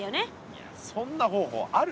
いやそんな方法あるか？